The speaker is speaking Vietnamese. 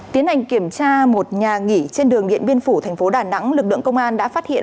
tiến hành kiểm tra một nhà nghỉ trên đường điện biên phủ thành phố đà nẵng lực lượng công an đã phát hiện